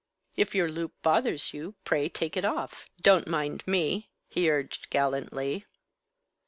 "If your loup bothers you, pray take it off. Don't mind me," he urged gallantly.